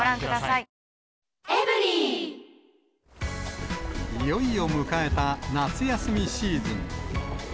いよいよ迎えた夏休みシーズン。